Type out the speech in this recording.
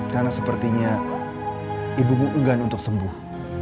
karena sepertinya ibu ibu enggak ada untuk sembuh